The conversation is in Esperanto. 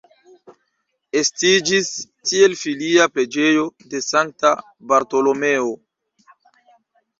Estiĝis tiel filia preĝejo de sankta Bartolomeo.